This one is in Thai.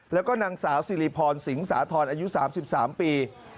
แล้วก็นางสาวสิริพรสิงสาธรณ์อายุ๓๓ปี